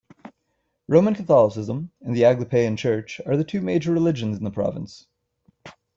Roman Catholicism and the Aglipayan Church are the two major religions in the province.